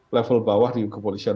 level bawah di kepolisian